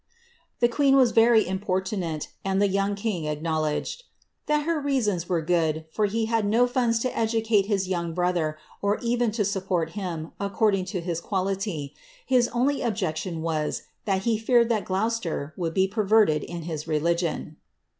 The queen was very importunate, and tlic ng king acknowledged ^^ that her reasons were good, for he had no la to educate his young brother, or even to support him, according lis quality; his only objection was, that he feared that Gloucester Id be perverted in his religion."'